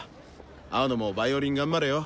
青野もヴァイオリン頑張れよ。